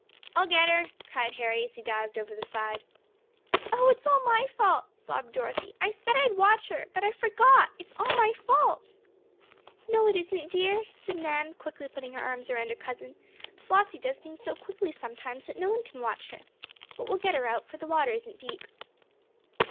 "I'll get her!" cried Harry, as he dived over the side. "Oh, it's all my fault!" sobbed Dorothy. "I said I'd watch her. But I forgot! It's all my fault!" "No, it isn't, dear!" said Nan, quickly putting her arms around her cousin. "Flossie does things so quickly, sometimes, that no one can watch her. But we'll get her out, for the water isn't deep."